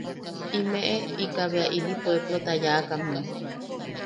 Imeʼe ika bea ili pueplota yaakamme.